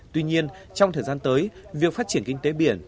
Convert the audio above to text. tuy nhiên trong thời gian tới việc phát triển kinh tế biển